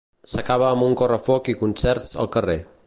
S'acaba amb un correfoc i concerts al carrer.